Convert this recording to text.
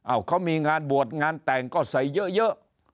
เขามีงานบวชงานแต่งก็ใส่เยอะ